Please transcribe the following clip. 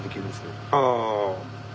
ああ。